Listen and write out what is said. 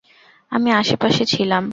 আমি আশেপাশে ছিলাম।